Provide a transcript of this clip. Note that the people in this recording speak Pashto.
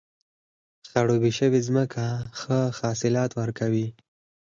خړوبې شوې ځمکه ښه حاصلات ورکوي.